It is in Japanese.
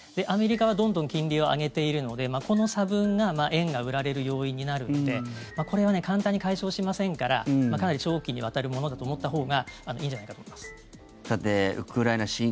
アメリカはどんどん金利を上げているのでこの差分が円が売られる要因になるのでこれは簡単に解消しませんからかなり長期にわたるものだと思ったほうがいいんじゃないかと思います。